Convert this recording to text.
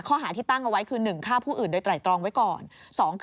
ข้อหาที่ตั้งเอาไว้คือ๑ฆ่าผู้อื่นโดยไตรตรองไว้ก่อน